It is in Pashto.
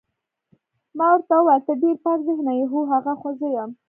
ما ورته وویل ته ډېر پاک ذهنه یې، هو، هغه خو زه یم.